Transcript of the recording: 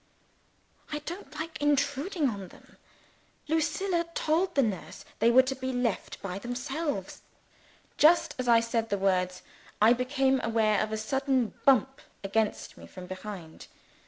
"I don't like intruding on them. Lucilla told the nurse they were to be left by themselves." Just as I said the words, I became aware of a sudden bump against me from behind.